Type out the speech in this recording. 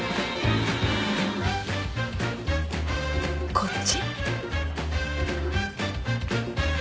こっち？